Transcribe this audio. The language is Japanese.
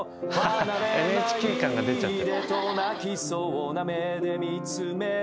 ＮＨＫ感が出ちゃってる。